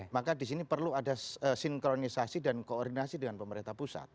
maka di sini perlu ada sinkronisasi dan koordinasi dengan pemerintah pusat